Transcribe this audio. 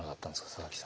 佐々木さん。